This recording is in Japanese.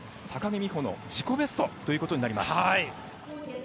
高木美帆の自己ベストということになります。